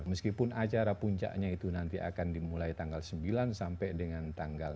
meskipun acara puncaknya itu nanti akan dimulai tanggal sembilan sampai dengan tanggal